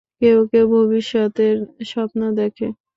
কেউ-কেউ ভবিষ্যতের স্বপ্ন দেখে।